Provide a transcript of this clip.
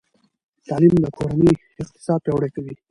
تعلیم د کورنۍ اقتصاد پیاوړی کوي.